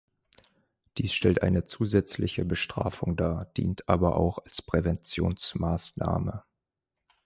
Dies stellt eine zusätzliche Bestrafung dar, dient aber auch als Präventionsmaßnahme.